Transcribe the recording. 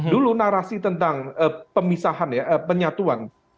dulu narasi tentang pemisahan ya penyatuan